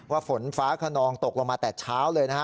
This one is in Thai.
ฝนฟ้าขนองตกลงมาแต่เช้าเลยนะฮะ